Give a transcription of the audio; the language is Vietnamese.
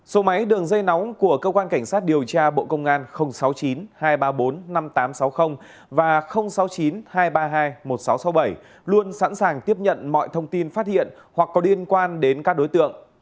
số máy đường dây nóng của cơ quan cảnh sát điều tra bộ công an sáu mươi chín hai trăm ba mươi bốn năm nghìn tám trăm sáu mươi và sáu mươi chín hai trăm ba mươi hai một nghìn sáu trăm sáu mươi bảy luôn sẵn sàng tiếp nhận mọi thông tin phát hiện hoặc có liên quan đến các đối tượng